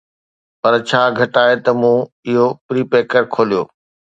پر ڇا گهٽ آهي ته مون اهو پريپيڪر کوليو